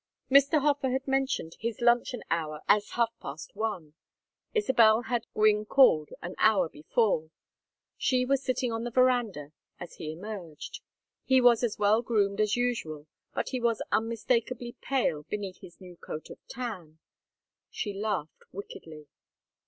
Mr. Hofer had mentioned his luncheon hour as half past one. Isabel had Gwynne called an hour before. She was sitting on the veranda, as he emerged. He was as well groomed as usual, but he was unmistakably pale beneath his new coat of tan. She laughed wickedly.